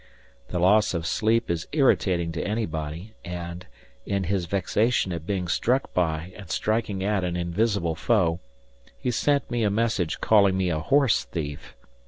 The loss of sleep is irritating to anybody and, in his vexation at being struck by and striking at an invisible foe, he sent me a message calling me a horse thief.